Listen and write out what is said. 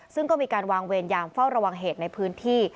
ซึ่งก็มีการวางเวรยามเฝ้าระวังเหตุในพื้นที่